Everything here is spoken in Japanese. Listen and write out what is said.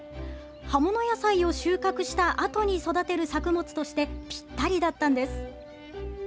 葉物野菜を収穫したあとに育てる作物として、ぴったりだったんです。